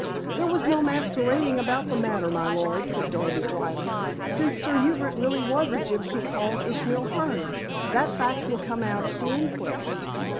"There was no masquerading about the matter, my lord," said Darby, dryly; "since Sir Hubert really was a gypsy called Ishmael Hearne. That fact will come out at the inquest."